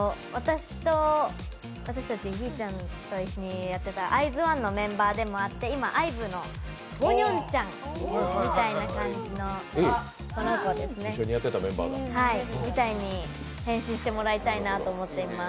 私たち、ひぃちゃんと一緒にやっていたＩＺ＊ＯＮＥのメンバーでもあって今、ＩＶＥのウォニョンちゃんみたいに変身してもらいたいと思います。